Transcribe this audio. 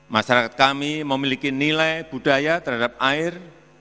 masyarakat kami memiliki nilai budaya terhadap air